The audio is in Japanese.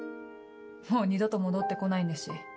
もう二度と戻って来ないんだし。